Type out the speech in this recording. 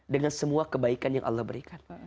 dengan semua kebaikan yang allah berikan